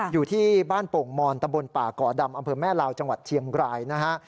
อยู่ที่บ้านโป่งมอนตะบนป่าก่อดำอำเภอแม่ลาวจังหวัดเชียงรายนะฮะ